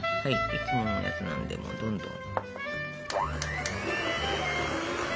いつものやつなんでどんどん。